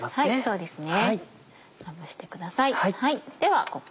そうですね